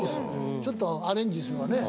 ちょっとアレンジすればね。